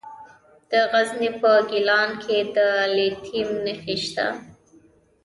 د غزني په ګیلان کې د لیتیم نښې شته.